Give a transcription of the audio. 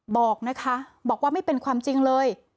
บอกนะคะบอกว่าไม่เป็นความจริงเลย